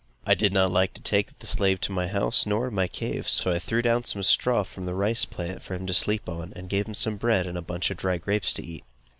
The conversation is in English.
I did not like to take my slave to my house, nor to my cave; so I threw down some straw from the rice plant for him to sleep on, and gave him some bread and a bunch of dry grapes to eat.